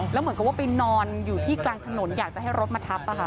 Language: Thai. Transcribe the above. แล้วเหมือนกับว่าไปนอนอยู่ที่กลางถนนอยากจะให้รถมาทับ